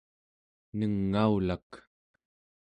nengaulak